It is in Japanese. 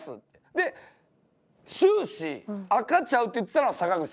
で終始「赤ちゃう？」って言ってたのは坂口さんですよ。